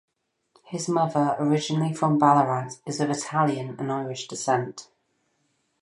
His mother, originally from Ballarat, is of Italian and Irish descent.